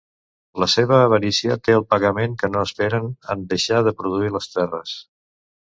La seva avarícia té el pagament que no esperen en deixar de produir les terres.